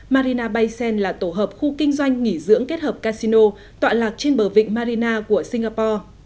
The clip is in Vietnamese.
marina bay sen là tổ hợp khu kinh doanh nghỉ dưỡng kết hợp casino tọa lạc trên bờ vịnh marina của singapore